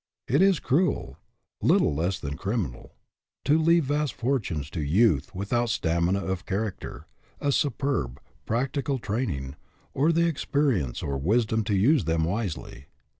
It is cruel, little less than crimi' nal, to leave vast fortunes to youth without stamina of character, a superb, practical train ing, or the experience or wisdom to use them wisely.